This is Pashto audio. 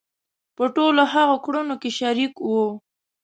په ټولو هغو کړنو کې شریک وو.